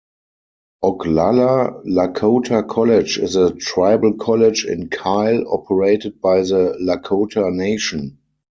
Oglala Lakota College is a tribal college in Kyle operated by the Lakota Nation.